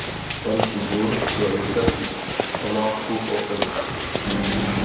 Panský dvůr je nejstarší památku v osadě.